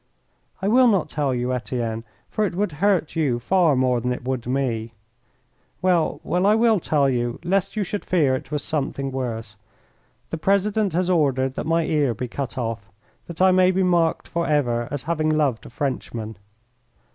"I will not tell you, Etienne, for it would hurt you far more than it would me. Well, well, I will tell you lest you should fear it was something worse. The president has ordered that my ear be cut off, that I may be marked for ever as having loved a Frenchman."